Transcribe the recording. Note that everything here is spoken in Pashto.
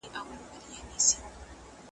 له ازل سره په جنګ یم پر راتلو مي یم پښېمانه `